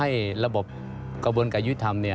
อันดับที่สุดท้าย